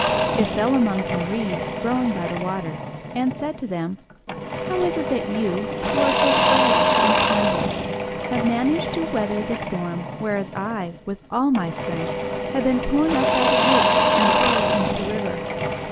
It fell among some Reeds growing by the water, and said to them, "How is it that you, who are so frail and slender, have managed to weather the storm, whereas I, with all my strength, have been torn up by the roots and hurled into the river?"